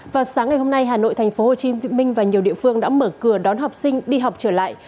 vào sáng ngày hôm nay hà nội tp hcm và nhiều địa phương đã mở cửa đón học sinh đi học trở lại